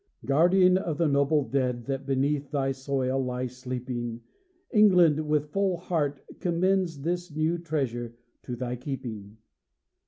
Guardian of the noble dead That beneath thy soil lie sleeping, England, with full heart, commends This new treasure to thy keeping.